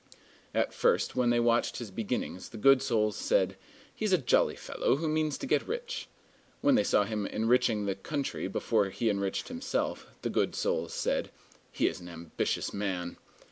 At first, when they watched his beginnings, the good souls said, "He's a jolly fellow who means to get rich." When they saw him enriching the country before he enriched himself, the good souls said, "He is an ambitious man."